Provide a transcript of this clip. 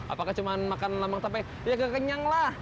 apakah cuma makan lemang tape ya gak kenyang lah